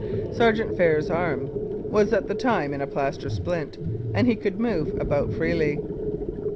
Sergeant Phair's arm was at the time in a plaster splint, and he could move about freely.